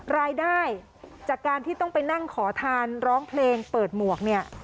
รายได้จากการที่ต้องไปนั่งขอทานร้องเพลงเปิดหมวกเนี่ย